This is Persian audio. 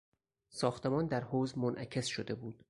ساختمان در حوض منعکس شده بود.